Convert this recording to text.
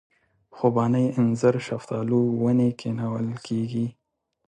خوبانۍ اینځر شفتالو ونې کښېنول کېږي.